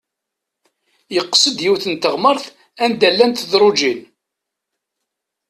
Yeqsed yiwet n teɣmert anda llant tedruǧin.